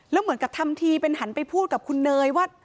แล้วเหมือนกับทำทีเป็นหันไปพูดกับคุณเนยว่า